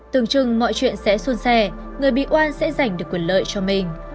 từng chừng mọi chuyện sẽ xuân xẻ người bị oan sẽ giành được quyền lợi cho mình